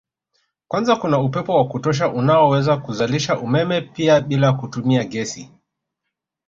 kwanza kuna upepo wa kutosha unaoweza kuzalisha umeme pia bila kutumia gesi